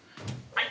「はい！